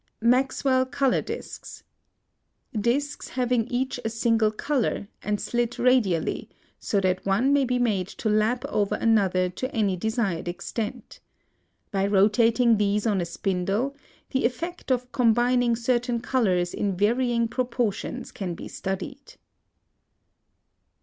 MAXWELL COLOR DISCS. Discs having each a single color, and slit radially so that one may be made to lap over another to any desired extent. By rotating these on a spindle, the effect of combining certain colors in varying proportions can be studied.